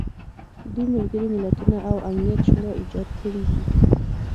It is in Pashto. دوی ملګري ملتونه او امنیت شورا ایجاد کړي دي.